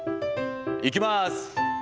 いきます。